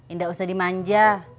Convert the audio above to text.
indah usah dimanja